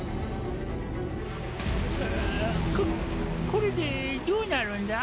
あぁここれでどうなるんだ？